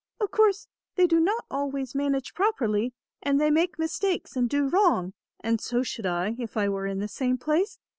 Of course they do not always manage properly, and they make mistakes and do wrong, and so should I if I were in the same place.